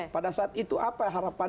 pada saat itu apa yang harapkan